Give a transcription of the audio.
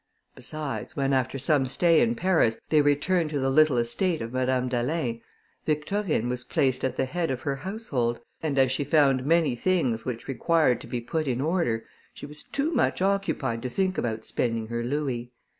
Besides, when after some stay in Paris, they returned to the little estate of Madame d'Alin, Victorine was placed at the head of her household, and as she found many things which required to be put in order, she was too much occupied to think about spending her louis.